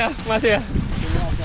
jalan memang susah ya mas ya